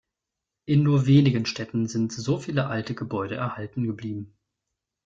In nur wenigen Städten sind so viele alte Gebäude erhalten geblieben.